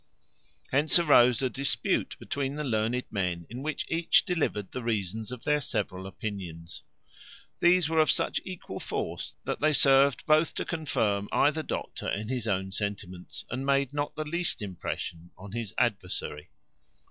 Hence arose a dispute between the learned men, in which each delivered the reasons of their several opinions. These were of such equal force, that they served both to confirm either doctor in his own sentiments, and made not the least impression on his adversary.